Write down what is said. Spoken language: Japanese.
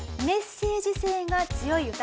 メッセージ性が強い？